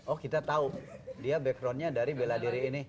oh kita tahu dia backgroundnya dari bela diri ini